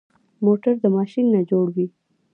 موټر د ماشین نه جوړ وي.